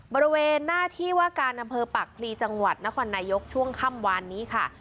บริเวณหน้าที่ว่าการอำเภอปากพลีจังหวัดนครนายกช่วงค่ำวานนี้ค่ะ